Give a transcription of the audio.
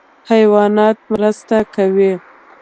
حیوانات مرسته کوي.